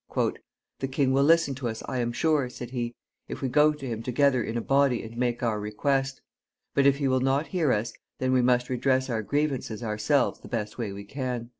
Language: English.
"The king will listen to us, I am sure," said he, "if we go to him together in a body and make our request; but if he will not hear us, then we must redress our grievances ourselves the best way we can."